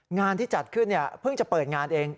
งานที่จัดขึ้นเพิ่งจะเปิดงานเอง